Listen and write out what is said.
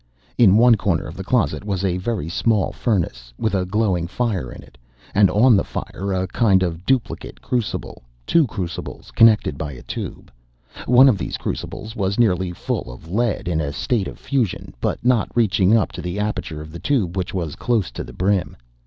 In one corner of the closet was a very small furnace, with a glowing fire in it, and on the fire a kind of duplicate crucible—two crucibles connected by a tube. One of these crucibles was nearly full of lead in a state of fusion, but not reaching up to the aperture of the tube, which was close to the brim.